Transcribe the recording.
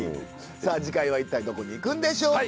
さあ次回は一体どこに行くんでしょうか。